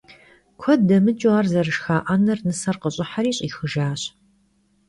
Kued demıç'ıu ar zerışşxa 'ener nıser khış'ıheri ş'ixıjjaş.